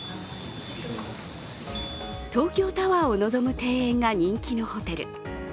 東京タワーを望む庭園が人気のホテル。